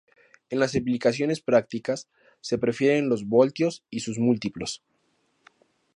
En las aplicaciones prácticas, se prefieren los voltios y sus múltiplos.